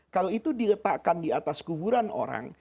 kalau itu diletakkan di atas kuburan orang